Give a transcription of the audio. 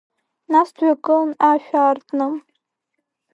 Нас дҩагылан, ашә аартны…